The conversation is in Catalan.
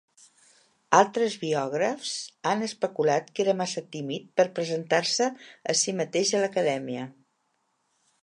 Altres biògrafs han especulat que era massa tímid per presentar-se a si mateix a l'Acadèmia.